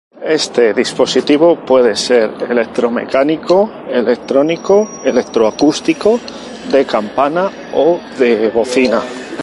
Este dispositivo puede ser electromecánico, electrónico, electroacústico, de campana o de bocina.